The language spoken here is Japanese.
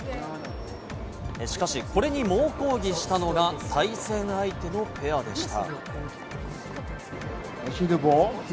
しかし、これに猛抗議したのが対戦相手のペアでした。